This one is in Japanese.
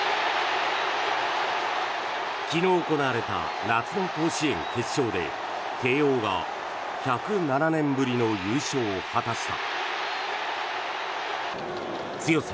昨日、行われた夏の甲子園決勝で慶応が１０７年ぶりの優勝を果たした。